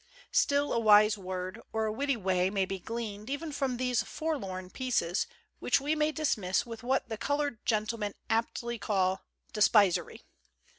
Still, a wise word or a witty may be gleaned even from these forlorn pieces, which we may dismiss with what the colored gentleman aptly called "despisery."